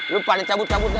lu pada cabut cabut deh